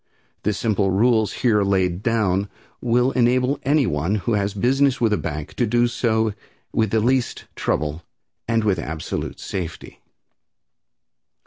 The simple rules here laid down will enable anyone who has business with a bank to do so with the least trouble and with absolute safety.